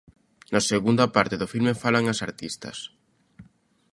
Na segunda parte do filme falan as artistas.